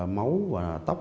máu và tóc